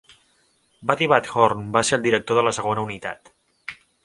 Buddy Van Horn va ser el director de la segona unitat.